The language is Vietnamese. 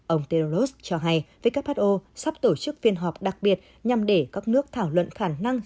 ông teros cho hay who sắp tổ chức phiên họp đặc biệt nhằm để các nước thảo luận khả năng